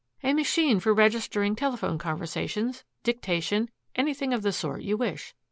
"A machine for registering telephone conversations, dictation, anything of the sort you wish.